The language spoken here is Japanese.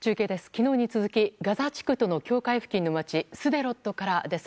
昨日に続きガザ地区との境界付近の街スデロットからです。